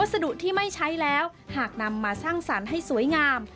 สะดุที่ไม่ใช้แล้วหากนำมาสร้างสรรค์ให้สวยงาม